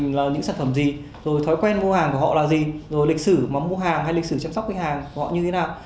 mình là những sản phẩm gì rồi thói quen mua hàng của họ là gì rồi lịch sử mà mua hàng hay lịch sử chăm sóc khách hàng của họ như thế nào